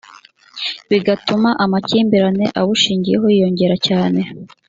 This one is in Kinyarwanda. bigatuma amakimbirane abushingiyeho yiyongera cyane.